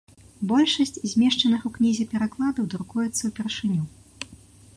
Большасць змешчаных у кнізе перакладаў друкуецца ўпершыню.